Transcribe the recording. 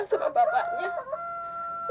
yang telah tinggal menjelaskan anaknya sendiri